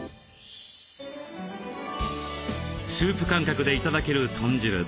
スープ感覚で頂ける豚汁。